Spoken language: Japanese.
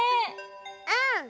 うん。